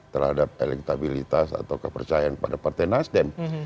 terhadap elektabilitas atau kepercayaan pada partai nasdem